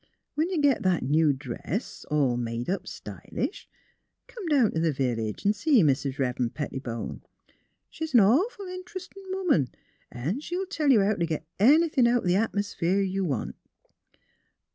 When you git that new dress, all made up stylish, come down t' the village an' see Mis' Eev'ren' Pettibone. She's an awful interestin' woman an' she'll tell you how t' git anythin' out th' atmosphere you want.